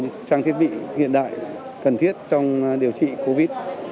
những trang thiết bị hiện đại cần thiết trong điều trị covid